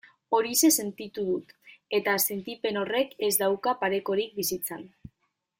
Horixe sentitu dut, eta sentipen horrek ez dauka parekorik bizitzan.